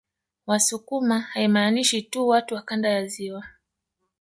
Wasukuma haimaanishi tu watu wa kanda ya ziwa